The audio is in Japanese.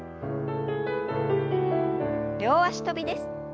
両脚跳びです。